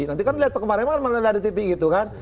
nanti kan lihat kemarin malah ada tv gitu kan